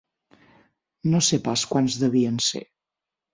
No sé pas quants devien ser.